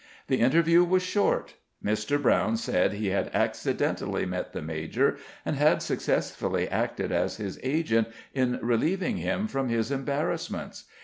The interview was short. Mr. Brown said he had accidentally met the major and had successfully acted as his agent in relieving him from his embarrassments.